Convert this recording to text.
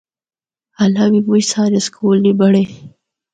حالاں بھی مُچ سارے سکول نیں بنڑے۔